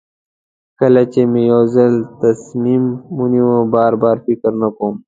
کله چې مې یو ځل تصمیم ونیو بار بار فکر نه کوم.